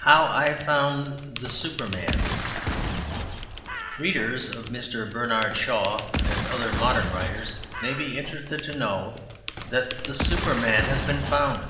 How I found the Superman Readers of Mr. Bernard Shaw and other modern writers may be interested to know that the Superman has been found.